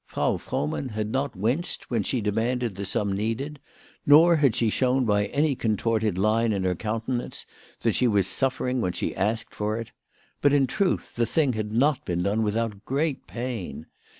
Frau 68 WHY FRAU FROHMAOT RAISED HER PRICES. Frohmann had not winced when she demanded the sum needed, nor had she shown by any contorted line in her countenance that she was suffering when she asked for it ; but, in truth, the thing had not been done without great pain.